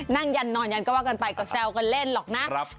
ยันนอนยันก็ว่ากันไปก็แซวกันเล่นหรอกนะ